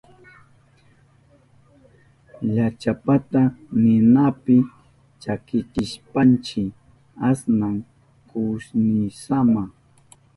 Llachapata ninapi chakichishpanchi asnan kushnisama.